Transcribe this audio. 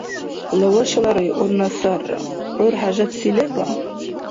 Лавашала районна сарра, гӀур хӀяжатси леба?